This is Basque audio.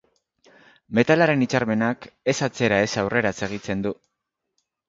Metalaren hitzarmenak, ez atzera ez aurrera segitzen du.